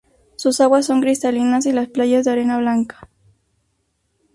Sus aguas son cristalinas y las playas de arena blanca.